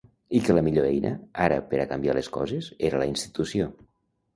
I que la millor eina, ara per a canviar les coses, era la institució.